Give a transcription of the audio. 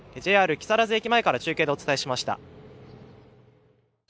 木更津駅前から中継でお伝えしました。